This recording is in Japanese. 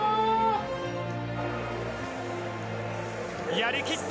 やり切った！